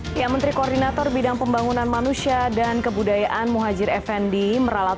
hai yang menteri koordinator bidang pembangunan manusia dan kebudayaan muhajir efendi meralat